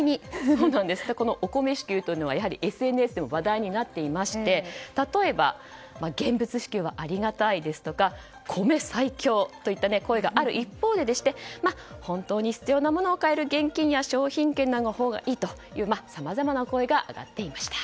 お米支給はＳＮＳでも話題になっていて例えば現物支給はありがたいですとか米最強といった声がある一方で本当に必要なものを買える現金や商品券のほうがいいというさまざまな声が上がっていました。